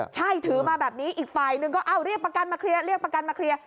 ใช่ถือมาแบบนี้อีกฝ่ายหนึ่งก็เอาเรียกประกันมาเคลียร์